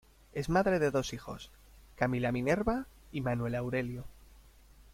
Es madre de dos hijos, Camila Minerva y Manuel Aurelio.